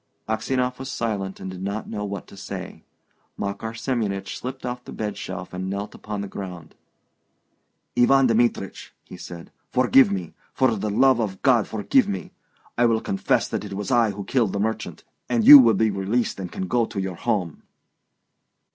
Aksionov was silent, and did not know what to say. Makar Semyonich slid off the bed shelf and knelt upon the ground. "Ivan Dmitrich," said he, "forgive me! For the love of God, forgive me! I will confess that it was I who killed the merchant, and you will be released and can go to your home."